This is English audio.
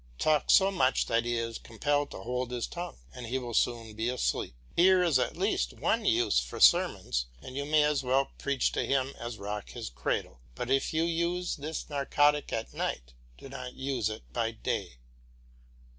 Talk so much that he is compelled to hold his tongue, and he will soon be asleep. Here is at least one use for sermons, and you may as well preach to him as rock his cradle; but if you use this narcotic at night, do not use it by day.